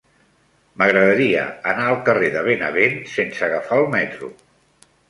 M'agradaria anar al carrer de Benavent sense agafar el metro.